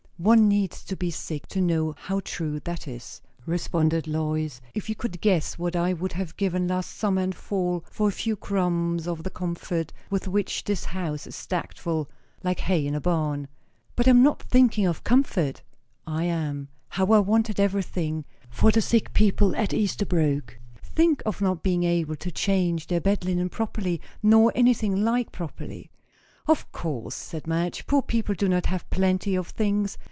"One needs to be sick to know how true that is," responded Lois. "If you could guess what I would have given last summer and fall for a few crumbs of the comfort with which this house is stacked full like hay in a barn!" "But I am not thinking of comfort." "I am. How I wanted everything for the sick people at Esterbrooke. Think of not being able to change their bed linen properly, nor anything like properly!" "Of course," said Madge, "poor people do not have plenty of things.